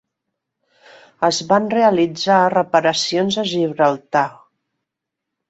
Es van realitzar reparacions a Gibraltar.